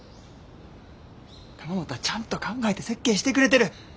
玉本はちゃんと考えて設計してくれてる。